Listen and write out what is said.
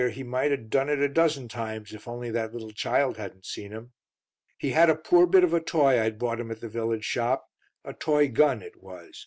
he might have done it a dozen times if only that little child hadn't seen him. "He had a poor bit of a toy I'd bought him at the village shop; a toy gun it was.